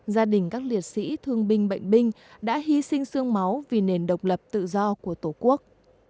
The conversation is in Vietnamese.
gia đình các liệt sĩ thương binh bệnh binh đã hy sinh sương máu vì nền độc lập tự do của tổ quốc